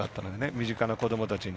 身近な子どもたちに。